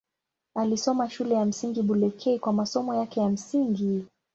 Alisoma Shule ya Msingi Bulekei kwa masomo yake ya msingi.